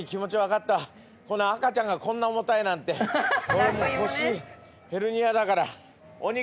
俺腰ヘルニアだから。